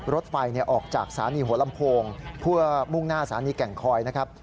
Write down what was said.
รถไฟออกจากสถานีหัวลำโพงเพื่อมุ่งหน้าสถานีแก่งคอยนะครับ